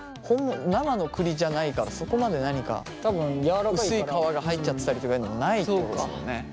生の栗じゃないからそこまで何か薄い皮が入っちゃってたりとかいうのもないってことですもんね。